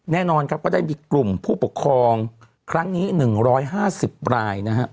แน่นอนครับก็ได้มีกลุ่มผู้ปกครองครั้งนี้๑๕๐รายนะฮะ